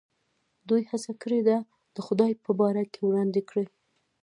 دوی هڅه کړې ده د خدای په باره کې وړاندې کړي.